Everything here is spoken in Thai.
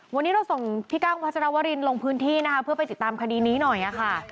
วันนี้เราส่งพี่กั้งพัชรวรินลงพื้นที่นะคะเพื่อไปติดตามคดีนี้หน่อยค่ะ